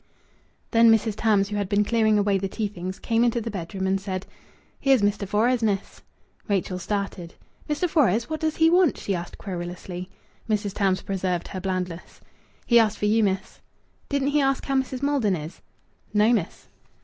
Then Mrs. Tams, who had been clearing away the tea things, came into the bedroom and said "Here's Mr. Fores, miss." Rachel started. "Mr. Fores! What does he want?" she asked querulously. Mrs. Tams preserved her blandness. "He asked for you, miss." "Didn't he ask how Mrs. Maldon is?" "No, miss."